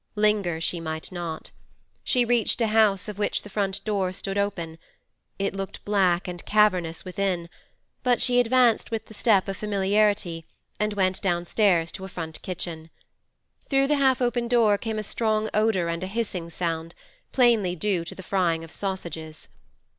Linger she might not. She reached a house of which the front door stood open; it looked black and cavernous within; but she advanced with the step of familiarity, and went downstairs to a front kitchen. Through the half open door came a strong odour and a hissing sound, plainly due to the frying of sausages.